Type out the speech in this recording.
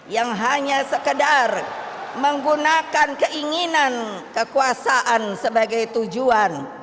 yang hanya sekedar menggunakan keinginan kekuasaan sebagai tujuan